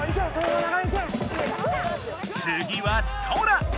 つぎはソラ。